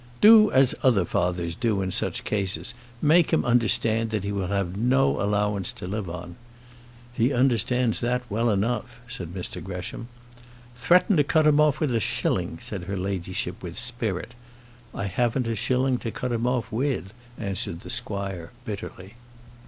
"Do as other fathers do in such cases. Make him understand that he will have no allowance to live on." "He understands that well enough," said Mr Gresham. "Threaten to cut him off with a shilling," said her ladyship, with spirit. "I haven't a shilling to cut him off with," answered the squire, bitterly.